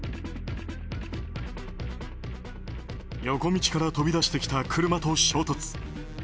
横道から飛び出してきた車と衝突。